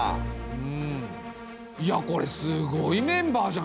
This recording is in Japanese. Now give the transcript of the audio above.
うんいやこれすごいメンバーじゃない！？